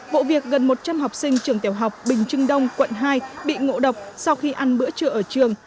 vụ việc gần một trăm linh học sinh trường tiểu học bình trưng đông quận hai bị ngộ độc sau khi ăn bữa trưa ở trường